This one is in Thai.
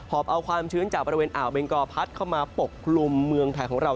อบเอาความชื้นจากบริเวณอ่าวเบงกอพัดเข้ามาปกกลุ่มเมืองไทยของเรา